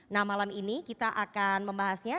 nah malam ini kita akan membahasnya